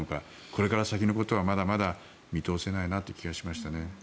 これから先のことはまだまだ見通せないなと思いました。